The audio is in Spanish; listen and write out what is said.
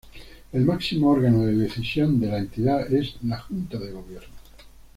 El máximo órgano de decisión de la Entidad es la Junta de Gobierno.